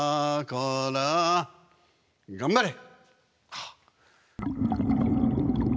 頑張れ！